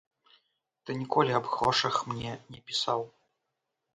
Ты ніколі аб грошах мне не пісаў.